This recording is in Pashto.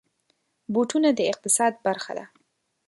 بوټونه د اقتصاد برخه ده.